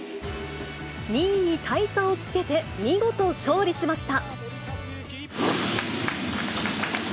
２位に大差をつけて見事、勝利しました。